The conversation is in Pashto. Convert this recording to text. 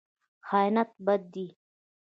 خیانت بد دی.